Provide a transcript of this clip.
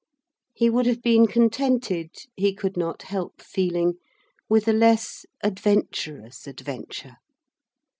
He would have been contented, he could not help feeling, with a less adventurous adventure.